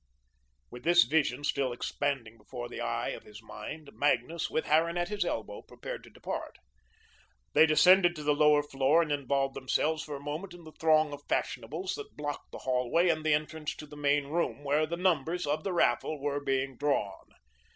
With this vision still expanding before the eye of his mind, Magnus, with Harran at his elbow, prepared to depart. They descended to the lower floor and involved themselves for a moment in the throng of fashionables that blocked the hallway and the entrance to the main room, where the numbers of the raffle were being drawn.